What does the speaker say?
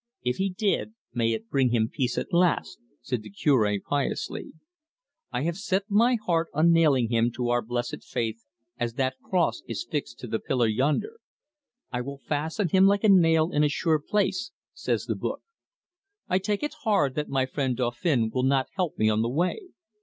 "If he did, may it bring him peace at last!" said the Cure piously. "I have set my heart on nailing him to our blessed faith as that cross is fixed to the pillar yonder 'I will fasten him like a nail in a sure place,' says the Book. I take it hard that my friend Dauphin will not help me on the way.